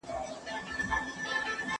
هغه څوک چي تکړښت کوي روغ اوسي؟!